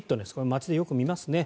街でよく見ますね。